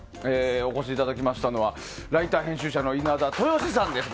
お越しいただきましたのはライター、編集者の稲田豊史さんです。